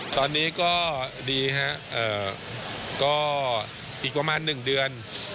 ตอนนี้ก็ดีฮะก็อีกประมาณ๑เดือน